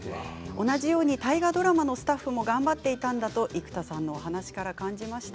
同じように大河ドラマのスタッフも頑張っていたんだと生田さんのお話から感じました。